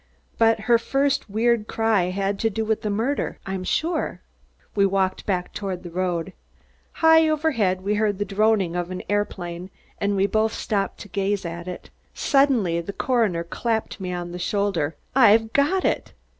But her first weird cry had to do with the murder, I'm sure." We walked back toward the road together. High overhead we heard the droning of an aeroplane and we both stopped to gaze at it. Suddenly the coroner clapped me on the shoulder. "I've got it!"